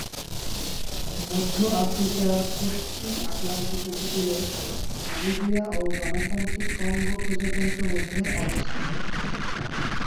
মধ্য আফ্রিকার পশ্চিম আটলান্টিক উপকূলে নামিবিয়া ও গণতান্ত্রিক কঙ্গো প্রজাতন্ত্রের মধ্যে অবস্থিত।